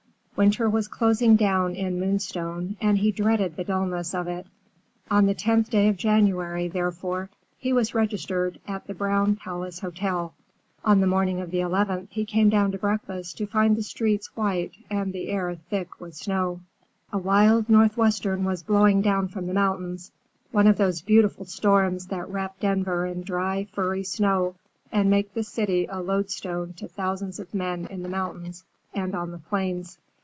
Winter was closing down in Moonstone, and he dreaded the dullness of it. On the 10th day of January, therefore, he was registered at the Brown Palace Hotel. On the morning of the 11th he came down to breakfast to find the streets white and the air thick with snow. A wild northwester was blowing down from the mountains, one of those beautiful storms that wrap Denver in dry, furry snow, and make the city a loadstone to thousands of men in the mountains and on the plains.